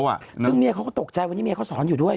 ส่วนเมียเขาก็ตกใจว่าเมียเขาสอนอยู่ด้วย